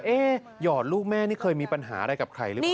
หยอดลูกแม่นี่เคยมีปัญหาอะไรกับใครหรือเปล่า